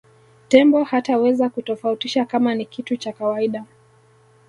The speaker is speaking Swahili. tembo hataweza kutofautisha kama ni kitu cha kawaida